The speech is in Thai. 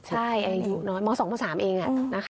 ใช่อายุน้อยมสองปีสามเองนะคะ